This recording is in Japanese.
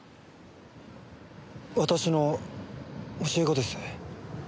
私の教え子です。